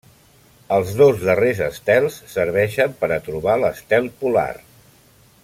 Els dos darrers estels serveixen per a trobar l'estel polar.